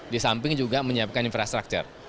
di samping juga menyiapkan infrastruktur